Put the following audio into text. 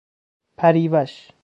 پریوش